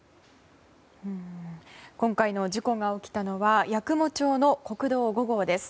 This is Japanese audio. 今回の事故が起きたのは八雲町の国道５号です。